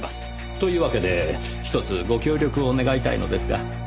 というわけでひとつご協力を願いたいのですが。